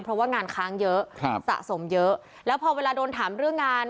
เพราะว่างานค้างเยอะสะสมเยอะแล้วพอเวลาโดนถามเรื่องงาน